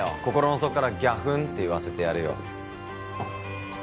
心の底からギャフンって言わせてやるよ